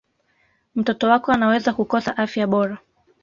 mtoto wako anaweza kukosa afya bora